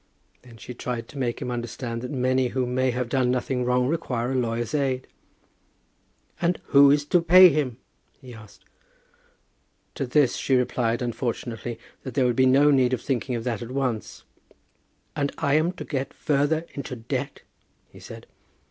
Then she tried to make him understand that many who may have done nothing wrong require a lawyer's aid. "And who is to pay him?" he asked. To this she replied, unfortunately, that there would be no need of thinking of that at once. "And I am to get further into debt!" he said.